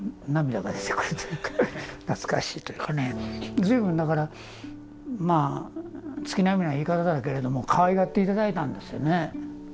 ずいぶんだからまぁ月並みな言い方だけれどもかわいがって頂いたんですよね。